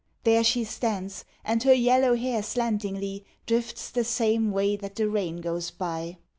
There she stands, and her yellow hair slantingly Drifts the same way that the rain goes by.